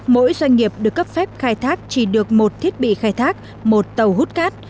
mỗi doanh nghiệp được cấp phép khai thác chỉ được một thiết bị khai thác một tàu hút cát